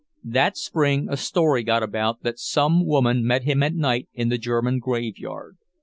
That spring a story got about that some woman met him at night in the German graveyard.